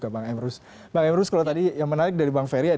apakah itu benar